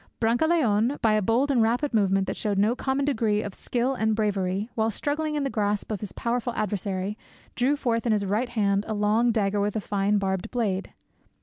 Brancaleone, by a bold and rapid movement that showed no common degree of skill and bravery, while struggling in the grasp of his powerful adversary, drew forth in his right hand a long dagger with a fine barbed blade.